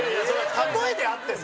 例えであってさ。